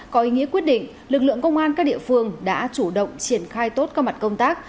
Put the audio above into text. có ý nghĩa quyết định lực lượng công an các địa phương đã chủ động triển khai tốt các mặt công tác